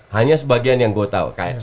hanya sebagian yang aku tahu seperti